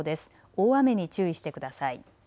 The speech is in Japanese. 大雨に注意してください。